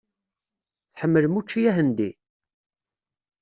Tḥemmlem učči ahendi?